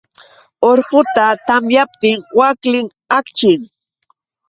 Urquta tamyaptin waklim akchin.